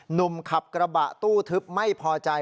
หนุ่มขับกระบะตู้ทึบไม่พอใจ